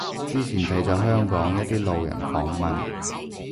之前睇咗香港一啲路人訪問